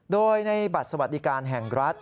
โดยในบัตรสวัสดิการแห่งรัฐ